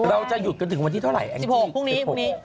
เราจะหยุดกันถึงวันที่เท่าไหร่พรุ่งนี้